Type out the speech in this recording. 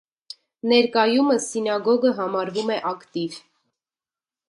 Ներկայումս սինագոգը համարվում է ակտիվ։